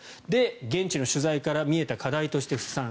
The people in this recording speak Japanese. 現地の取材から見えた課題として布施さん